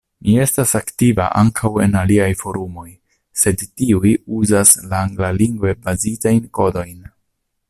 Mi estas aktiva ankaŭ en aliaj forumoj, sed tiuj uzas la anglalingve bazitajn kodojn.